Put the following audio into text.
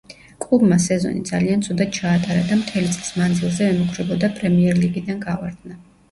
კლუბმა სეზონი ძალიან ცუდად ჩაატარა და მთელი წლის მანძილზე ემუქრებოდა პრემიერლიგიდან გავარდნა.